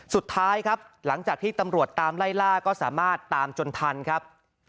สุดท้ายครับหลังจากที่ตำรวจตามไล่ล่าก็สามารถตามจนทันครับ